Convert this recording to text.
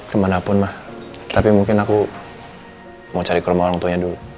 kemanapun mah tapi mungkin aku mau cari ke rumah orang tuanya dulu